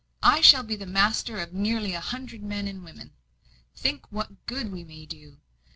"I shall be master of nearly a hundred, men and women. Think what good we may do!